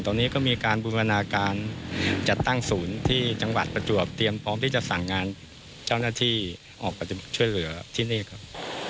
ตอนนี้ก็มีการบูรณาการจัดตั้งศูนย์ที่จังหวัดประจวบเตรียมพร้อมที่จะสั่งงานเจ้าหน้าที่ออกไปช่วยเหลือที่นี่ครับ